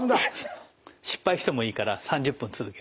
失敗してもいいから３０分続ける。